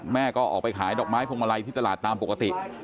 แม่ก็ออกไปขายดอกไม้พวงมาลัยที่ตลาดตามปกติ